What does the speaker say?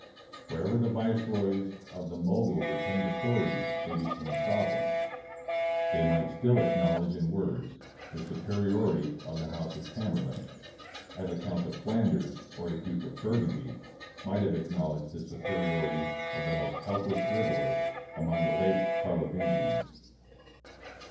Wherever the viceroys of the Mogul retained author ity they became sovereigns. They might still acknowl edge in words the superiority of the house of Tamerlane; as a Count of Flanders or a Duke of Burgundy might have acknowledged the superiority of the most helpless driveler among the later Carlovingians.